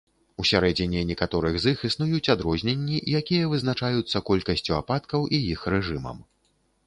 Усярэдзіне некаторых з іх існуюць адрозненні, якія вызначаюцца колькасцю ападкаў і іх рэжымам.